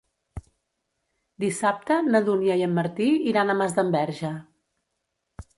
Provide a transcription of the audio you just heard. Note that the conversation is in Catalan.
Dissabte na Dúnia i en Martí iran a Masdenverge.